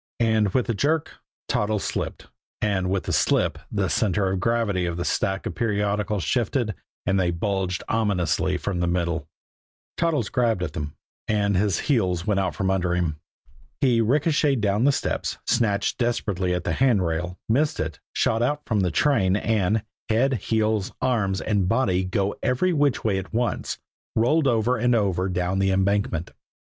And with the jerk, Toddles slipped; and with the slip, the center of gravity of the stack of periodicals shifted, and they bulged ominously from the middle. Toddles grabbed at them and his heels went out from under him. He ricocheted down the steps, snatched desperately at the handrail, missed it, shot out from the train, and, head, heels, arms and body going every which way at once, rolled over and over down the embankment.